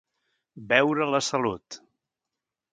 Beure a la salut.